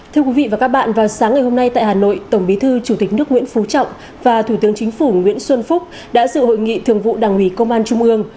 thưa quý vị và các bạn vào sáng ngày hôm nay tại hà nội tổng bí thư chủ tịch nước nguyễn phú trọng và thủ tướng chính phủ nguyễn xuân phúc đã dự hội nghị thường vụ đảng ủy công an trung ương